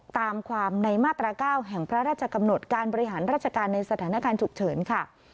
ตามความในมาตรา๙แห่งพระราชกำหนดการบริหารราชการในสถานการณ์ฉุกเฉินค่ะ